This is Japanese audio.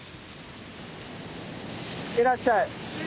いらっしゃい。